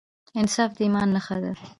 انصاف د ایمان نښه ده.